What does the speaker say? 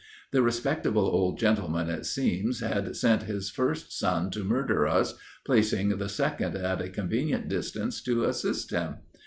The respectable old gentleman, it seems, had sent his first son to murder us, placing the second at a convenient distance to assist him.